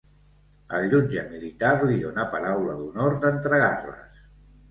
El jutge militar li dona paraula d'honor d'entregar-les.